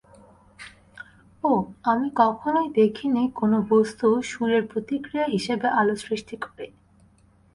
ওহ, আমি কখনোই দেখিনি কোন বস্তু, সুরের প্রতিক্রিয়া হিসেবে আলো সৃষ্টি করে।